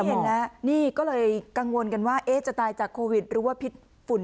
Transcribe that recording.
ไม่เห็นล่ะนี่ก็เลยกังวลกันว่าเอะจะตายจากโควิดหรือว่าผิดฝุ่นครรภาษีเนี่ย